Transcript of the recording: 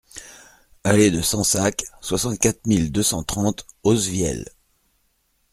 Allée de Sensacq, soixante-quatre mille deux cent trente Aussevielle